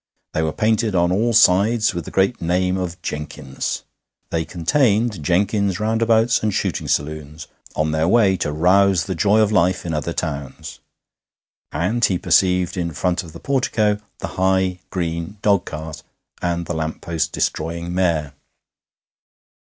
They were painted on all sides with the great name of Jenkins. They contained Jenkins's roundabouts and shooting saloons, on their way to rouse the joy of life in other towns. And he perceived in front of the portico the high, green dogcart and the lamp post destroying mare.